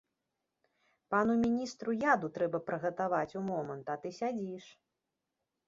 Пану міністру яду трэба прыгатаваць у момант, а ты сядзіш.